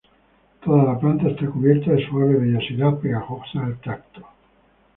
Toda la planta está cubierta de suave vellosidad pegajosa al tacto.